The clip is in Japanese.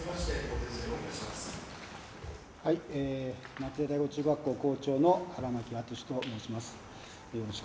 松江第五中学校校長の荒巻淳と申します。